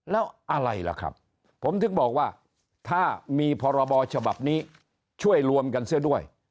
แล้วอะไรล่ะครับผมถึงบอกว่าถ้ามีพรบฉบับนี้ช่วยรวมกันซะด้วย